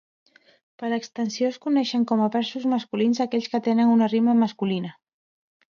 Per extensió es coneixen com a versos masculins aquells que tenen una rima masculina.